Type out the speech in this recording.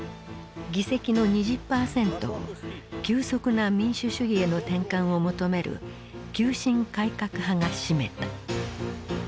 議席の２０％を急速な民主主義への転換を求める急進改革派が占めた。